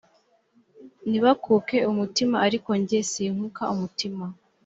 nibakuke umutima ariko jye sinkuka umutima